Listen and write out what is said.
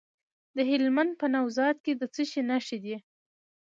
د هلمند په نوزاد کې د څه شي نښې دي؟